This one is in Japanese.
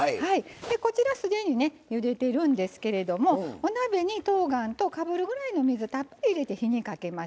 こちらすでにねゆでてるんですけれどもお鍋にとうがんとかぶるぐらいの水たっぷり入れて火にかけますね。